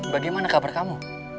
bagaimana kabar kamu